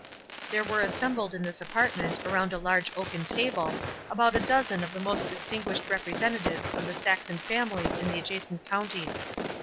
There were assembled in this apartment, around a large oaken table, about a dozen of the most distinguished representatives of the Saxon families in the adjacent counties.